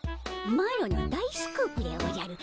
マロの大スクープでおじゃる。